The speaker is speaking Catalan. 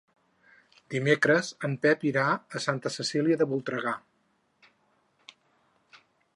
Dimecres en Pep irà a Santa Cecília de Voltregà.